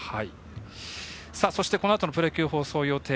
そして、このあとのプロ野球放送予定